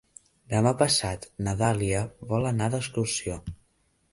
Demà passat na Dàlia vol anar d'excursió.